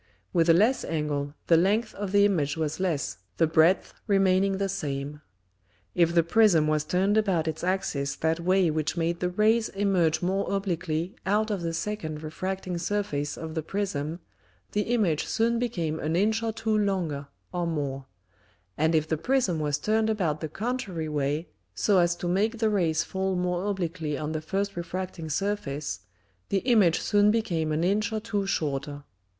With a less Angle the Length of the Image was less, the Breadth remaining the same. If the Prism was turned about its Axis that way which made the Rays emerge more obliquely out of the second refracting Surface of the Prism, the Image soon became an Inch or two longer, or more; and if the Prism was turned about the contrary way, so as to make the Rays fall more obliquely on the first refracting Surface, the Image soon became an Inch or two shorter.